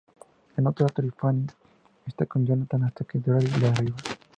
En otra, Tiffany está con Jonathan hasta que "Derrick" la derriba.